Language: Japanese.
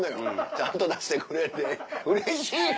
ちゃんと出してくれてうれしいよ。